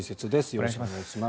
よろしくお願いします。